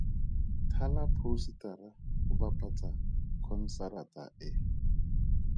Thala phousetara go bapatsa konsarata e.